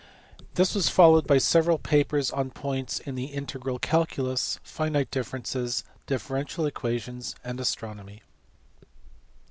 This was followed by several papers on points in the integral calculus, finite differences, differential equations, and astronomy.